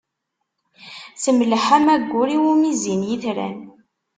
Temleḥ, am waggur iwumi zzin yitran.